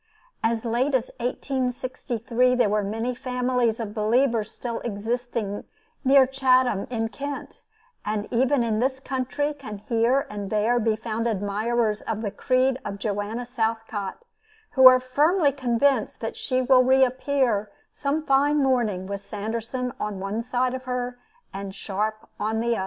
As late as 1863, there were many families of believers still existing near Chatham, in Kent; and even in this country can here and there be found admirers of the creed of Joanna Southcott, who are firmly convinced that she will re appear some fine morning, with Sanderson on one side of her and Sharp on the other.